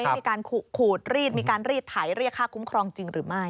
มีการขูดรีดมีการรีดไถเรียกค่าคุ้มครองจริงหรือไม่